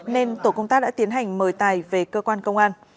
nên tổ công tác đã tiến hành mời tài về cơ quan công an